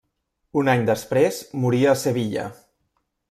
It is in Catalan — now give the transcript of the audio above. Un any després moria a Sevilla.